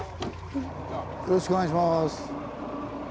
よろしくお願いします。